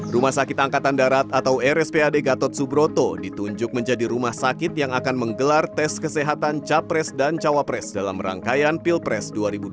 rumah sakit angkatan darat atau rspad gatot subroto ditunjuk menjadi rumah sakit yang akan menggelar tes kesehatan capres dan cawapres dalam rangkaian pilpres dua ribu dua puluh